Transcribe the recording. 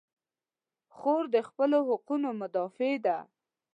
خور د خپلو حقونو مدافع ده.